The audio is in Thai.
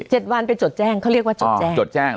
ให้จดแจ้งเขาเรียกว่าจดแจ้ง